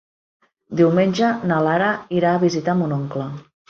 Diumenge na Lara irà a visitar mon oncle.